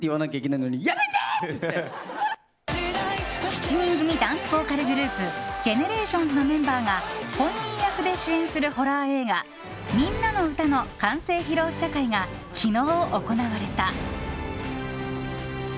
７人組ダンスボーカルグループＧＥＮＥＲＡＴＩＯＮＳのメンバーが本人役で主演するホラー映画「ミンナのウタ」の完成披露試写会が昨日、行われた。